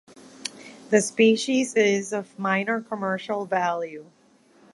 The species is of minor commercial value.